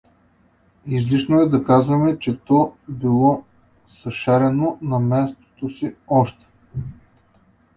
Излишно е да казваме, че то било съшарено на мястото си още.